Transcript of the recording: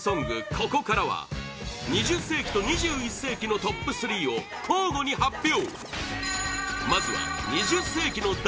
ここからは２０世紀と２１世紀のトップ３を交互に発表！